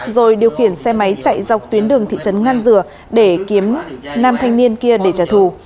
rồi điều khiển xe máy chạy dọc tuyến đường thị trấn ngăn dừa để kiếm nam thanh niên kia để trả thù